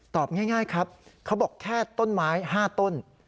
ง่ายครับเขาบอกแค่ต้นไม้๕ต้น